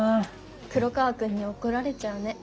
黒川くんに怒られちゃうね。